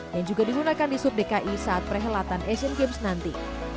yang juga digunakan di sub dki saat perhelatan asian games nanti